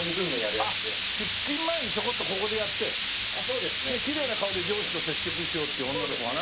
出勤前にちょこっとここでやってきれいな顔で上司と接触しようっていう女の子が。